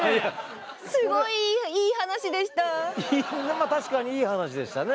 まあ確かにいい話でしたね。